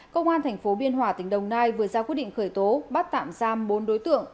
công an tp biên hòa tỉnh đồng nai vừa ra quyết định khởi tố bắt tạm giam bốn đối tượng